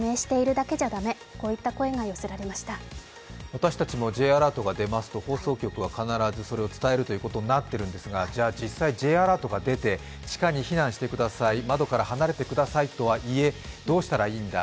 私たちもＪアラートが出ますと放送局は必ず、それを伝えるということになっているんですが、実際、Ｊアラートが出て地下に避難してください、窓から離れてくださいとはいえ、どうしたらいいんだ、